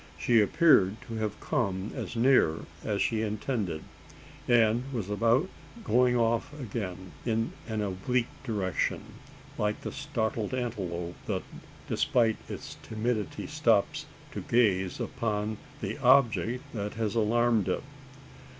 She appeared to have come as near as she intended, and was about going off again in an oblique direction: like the startled antelope, that, despite its timidity, stops to gaze upon the "object that has alarmed it."